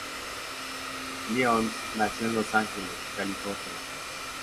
Lyons nació en Los Ángeles, California.